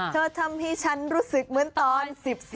เธอทำให้ฉันรู้สึกเหมือนตอน๑๔